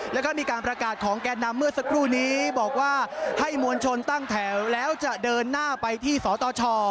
แล้วก็มีการประกาศของแก่นำเมื่อสักครู่นี้บอกว่าให้มวลชนตั้งแถวแล้วจะเดินหน้าไปที่สตช